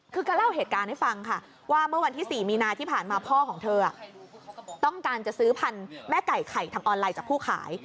คือก็เล่าเหตุการณ์ให้ฟังค่ะว่าเมื่อวันที่๔มีนาที่ผ่านมาพ่อของเธอต้องการจะซื้อพันธุ์แม่ไก่ไข่ทางออนไลน์จากผู้ขาย